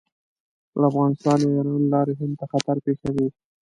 له افغانستان یا ایران له لارې هند ته خطر پېښوي.